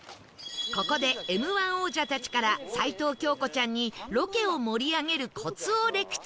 ここで Ｍ−１ 王者たちから齊藤京子ちゃんにロケを盛り上げるコツをレクチャー